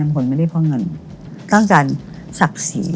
คนไม่ได้เพราะเงินต้องการศักดิ์ศรี